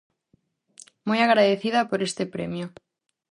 Moi agradecida por este premio.